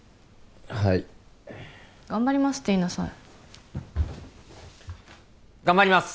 はい「頑張ります」って言いなさい頑張ります